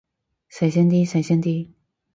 細聲啲，細聲啲